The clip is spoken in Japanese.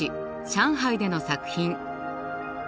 上海での作品。